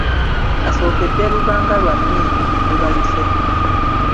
Kasookedde luba nga lwa mmindi; luba Luseke.